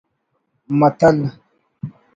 متل